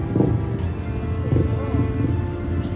สวัสดีครับคุณผู้ชาย